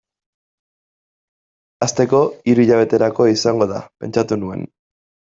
Hasteko, hiru hilabeterako izango da, pentsatu nuen.